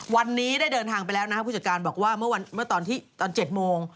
วันนี้พูดจ่ะการพูดแล้วว่าเมื่อตอน๗โมง